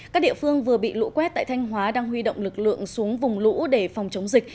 các địa phương vừa bị lũ quét tại thanh hóa đang huy động lực lượng xuống vùng lũ để phòng chống dịch